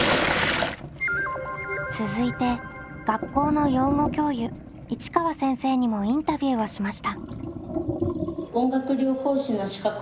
続いて学校の養護教諭市川先生にもインタビューをしました。